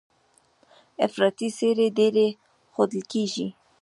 افراطي څېرې ډېرې ښودل کېږي.